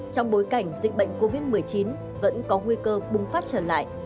trong bối cảnh dịch bệnh covid một mươi chín vẫn có nguy cơ bùng phát trở lại